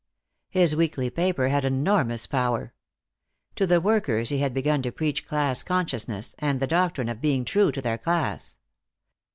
His weekly paper had enormous power. To the workers he had begun to preach class consciousness, and the doctrine of being true to their class.